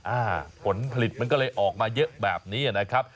อ่าผลผลิตมันก็เลยออกมาเยอะแบบนี้นะครับ